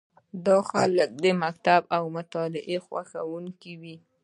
دا خلک د مکتب او مطالعې خوښوونکي وي.